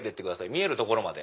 見えるところまで。